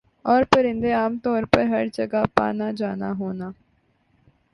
اورپرندے عام طور پر ہَر جگہ پانا جانا ہونا